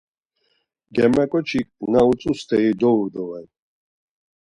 Germaǩoçik na utzu steri dovu doren.